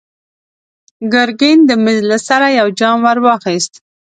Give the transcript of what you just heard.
ګرګين د مېز له سره يو جام ور واخيست.